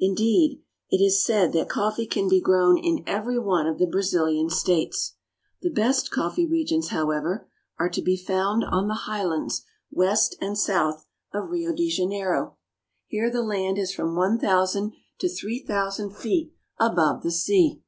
Indeed, it is said that coffee can be grown in every one of the Brazilian states. The best coffee regions, however, are to be found on the 258 BRAZIL. highlands west and south of Rio de Janeiro. Here the land is from one thousand to three thousand feet above the sea.